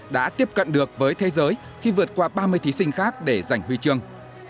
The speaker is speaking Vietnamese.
đã tiếp cận được với thế giới khi vượt qua ba mươi thí sinh khác để giành huy chương